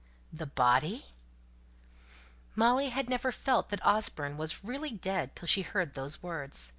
"The body!" Molly had never felt that Osborne was really dead till she heard those words.